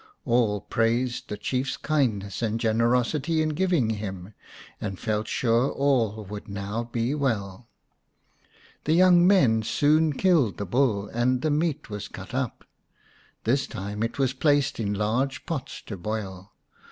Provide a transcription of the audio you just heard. All praised the Chiefs kindness and generosity in 215 The Enchanted Buck xvm giving him, and felt sure all would now be well. The young men soon killed the bull and the meat was cut up. This time it was placed in large pots to boil.